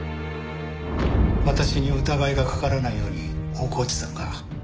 私に疑いがかからないように大河内さんが。